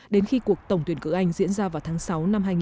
đến khi cuộc tổng tuyển cử anh diễn ra vào tháng sáu năm hai nghìn hai mươi